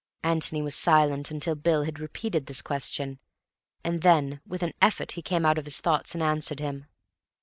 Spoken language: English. Antony was silent until Bill had repeated his question, and then with an effort he came out of his thoughts and answered him.